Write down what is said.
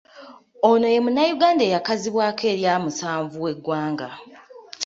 Ono ye Munnayuganda eyakazibwako erya, “Musanvu w’eggwanga”.